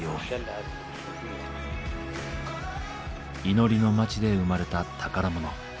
祈りの町で生まれた宝物。